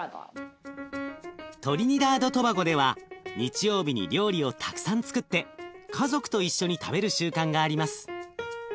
トリニダード・トバゴでは日曜日に料理をたくさんつくって家族と一緒に食べる習慣があります。